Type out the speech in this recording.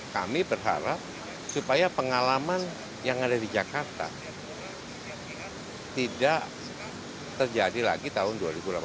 kami berharap supaya pengalaman yang ada di jakarta tidak terjadi lagi tahun dua ribu delapan belas